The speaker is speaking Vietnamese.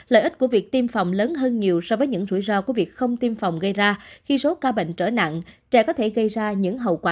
lợi ích của việc tiêm phòng lớn hơn là năm một mươi trong thời gian biến thể omicron